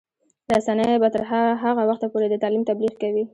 رسنۍ به تر هغه وخته پورې د تعلیم تبلیغ کوي.